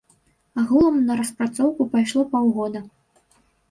Агулам на распрацоўку пайшло паўгода.